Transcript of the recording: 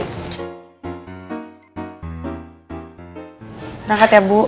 berangkat ya bu